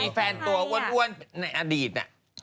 มีแฟนตัวอ้วนในอดีต